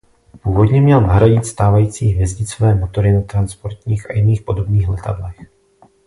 Původně měl nahradit stávající hvězdicové motory na transportních a jiných podobných letadlech.